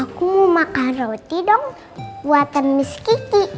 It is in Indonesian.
aku mau makan roti dong buatan miss kiki